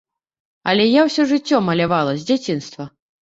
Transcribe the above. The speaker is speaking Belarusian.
Але я ўсё жыццё малявала, з дзяцінства.